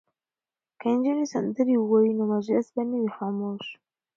که نجونې سندرې ووايي نو مجلس به نه وي خاموش.